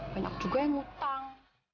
banyak juga yang utang